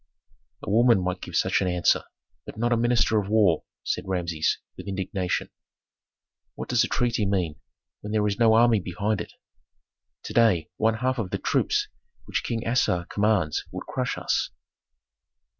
"A woman might give such an answer, but not a minister of war," said Rameses, with indignation. "What does a treaty mean when there is no army behind it: To day one half of the troops which King Assar commands would crush us."